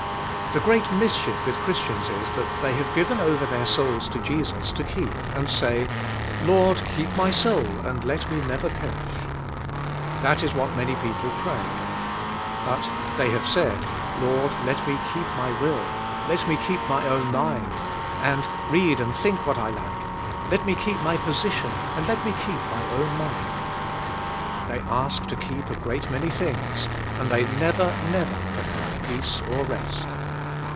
The great mischief with Christians is, that they have given over their souls to Jesus to keep and say, '*L<ord, keep my soul and let me never perish." That is what many people pray. But they have said, "Lord, let me keep my will, let me keep my own mind, and read and think what I like; let me keep my position and let me keep my own money. " They ask to keep a great many things and they never, never, can have peace or rest.